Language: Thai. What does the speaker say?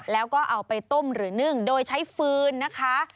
แล้วก็เอาไปต้มหรือนึ่งโดยใช้ฟืนนะคะ